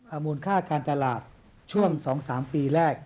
มูลค่าการตลาดช่วง๒๓ปีแรก